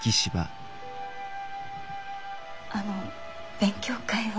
あの勉強会は。